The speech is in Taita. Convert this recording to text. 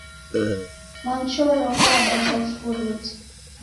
Mwamchorongo w'adaja vifurute